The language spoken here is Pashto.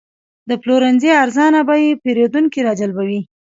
د پلورنځي ارزانه بیې پیرودونکي راجلبوي.